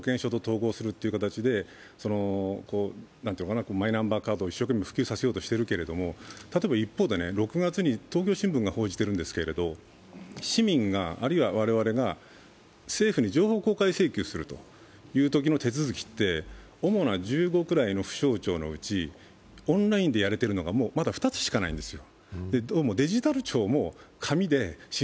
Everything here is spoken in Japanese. この国を見てみると今一生懸命になってアメとムチ、ポイントをあげるとか、あるいは保険証と統合するという形でマイナンバーカードを一生懸命普及させようとしているんですけど例えば一方で６月に「東京新聞」が報じてるんですけど市民があるいは我々が市民に情報公開請求するときの手続きって主な１５くらの府省庁のうち、オンラインでやれているのがまだ２つぐらいしかないんですよ。